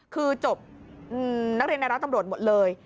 คือจบนักเรียนในร้านตำรวจหมดเลย